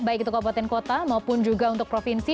baik itu kabupaten kota maupun juga untuk provinsi